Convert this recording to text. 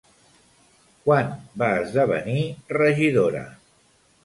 Quan va esdevenir regidora?